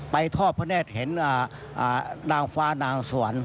ทอดพระเนธเห็นนางฟ้านางสวรรค์